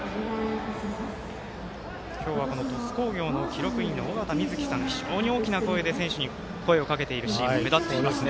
今日は鳥栖工業の記録員の緒方美月さん、非常に大きな声で選手に声をかけているシーン目立ってますよね。